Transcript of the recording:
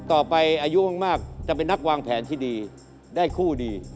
อายุมากจะเป็นนักวางแผนที่ดีได้คู่ดี